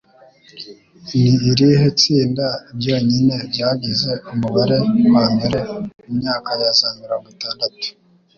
Ni irihe tsinda ryonyine ryagize umubare wa mbere mu myaka ya za mirongo itandatu